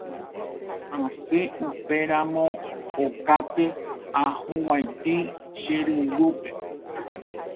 Asẽ upémaramo okápe ahuvaitĩ che reindýpe.